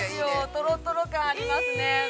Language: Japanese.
とろとろ感がありますね。